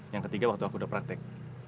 yang ketiga waktu aku udah praktek